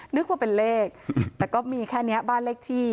นึกว่าเป็นเลขแต่ก็มีแค่นี้บ้านเลขที่